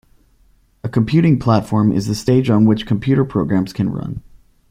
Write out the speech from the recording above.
A computing platform is the stage on which computer programs can run.